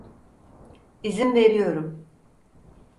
İzin veriyorum.